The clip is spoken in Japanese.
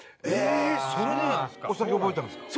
それでお酒覚えたんすか？